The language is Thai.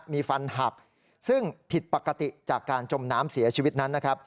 มีฟันหักซึ่งผิดปกติจากการจมน้ำเสียชีวิตนั้นนะครับ